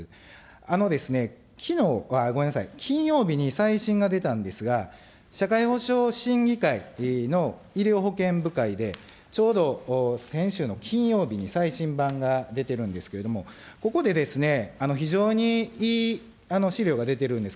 あのですね、きのう、ごめんなさい、金曜日に最新が出たんですが、社会保障審議会の医療保険部会で、ちょうど先週の金曜日に最新版が出てるんですけども、ここでですね、非常にいい資料が出てるんです。